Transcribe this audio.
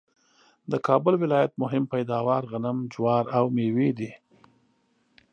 د کابل ولایت مهم پیداوار غنم ،جوار ، او مېوې دي